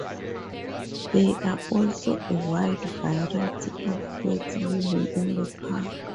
There are also a wide variety of birds living in the park.